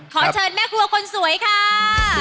ขอเชิญแม่ครัวคนสวยค่ะ